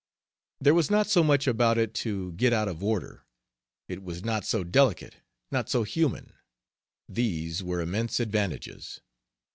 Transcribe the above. There was not so much about it to get out of order; it was not so delicate, not so human. These were immense advantages.